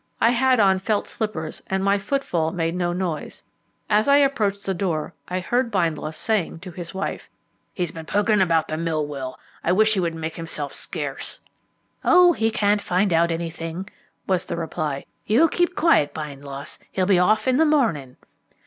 I had on felt slippers, and my footfall made no noise. As I approached the door I heard Bindloss saying to his wife, "He's been poking about the mill wheel; I wish he would make himself scarce." "Oh, he can't find out anything," was the reply. "You keep quiet, Bindloss; he'll be off in the morning."